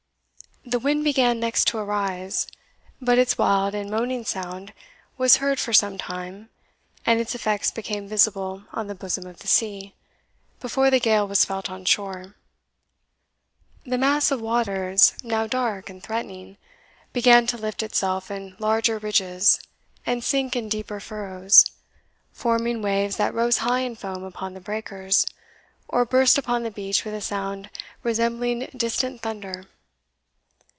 The wind began next to arise; but its wild and moaning sound was heard for some time, and its effects became visible on the bosom of the sea, before the gale was felt on shore. The mass of waters, now dark and threatening, began to lift itself in larger ridges, and sink in deeper furrows, forming waves that rose high in foam upon the breakers, or burst upon the beach with a sound resembling distant thunder.